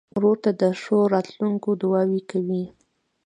ورور ته د ښو راتلونکو دعاوې کوې.